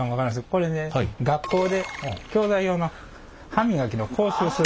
これね学校で教材用の歯磨きの講習をする。